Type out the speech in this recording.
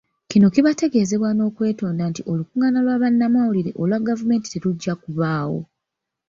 Kino kibategeezebwa n'okwetonda nti olukungaana lwa bannamawulire olwa gavumenti terujja kubaawo.